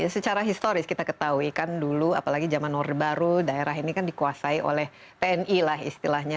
secara historis kita ketahui kan dulu apalagi zaman orde baru daerah ini kan dikuasai oleh tni lah istilahnya